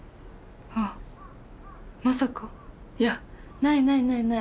あまさかいやないないないない！